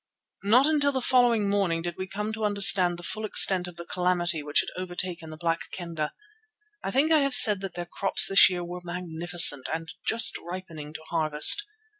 Not until the following morning did we come to understand the full extent of the calamity which had overtaken the Black Kendah. I think I have said that their crops this year were magnificent and just ripening to harvest.